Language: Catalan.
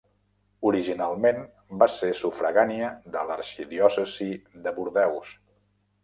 Originalment va ser sufragània de l'arxidiòcesi de Bordeus.